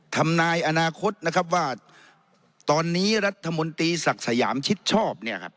ทำนายอนาคตนะครับว่าตอนนี้รัฐมนตรีศักดิ์สยามชิดชอบเนี่ยครับ